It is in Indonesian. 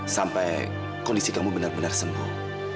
sampai kondisi kamu benar benar sembuh